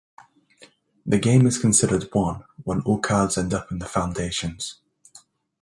The game is considered won when all cards end up in the foundations.